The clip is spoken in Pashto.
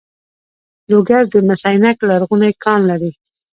لوګر د مس عینک لرغونی کان لري